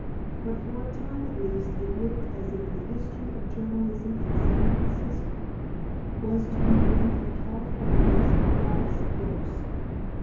But for a time at least it looked as if the history of journalism in San Francisco was to be one of California's proudest boasts.